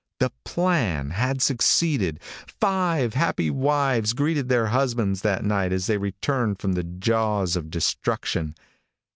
The plan had succeeded. Five happy wives greeted their husbands that night as they returned from the jaws of destruction.